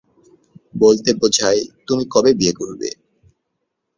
বলতে বোঝায় "তুমি কবে বিয়ে করবে?"